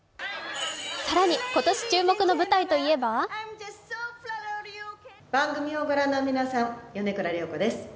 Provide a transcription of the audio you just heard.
更に、今年注目の舞台といえば番組を御覧の皆さん、米倉涼子です。